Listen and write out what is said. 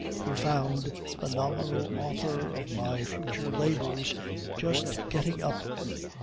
We found the nominal author of my future labors just getting up.